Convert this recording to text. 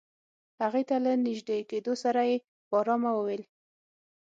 هغې ته له نژدې کېدو سره يې په آرامه وويل.